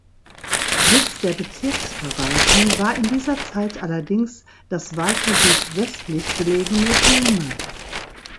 Sitz der Bezirksverwaltung war in dieser Zeit allerdings das weiter südwestlich gelegenen Dume.